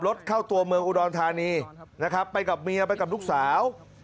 รถเข้าตัวเมืองอุดรธานีนะครับไปกับเมียไปกับลูกสาว